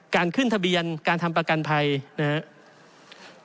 การขึ้นทะเบียนการทำประกันภัยนะครับ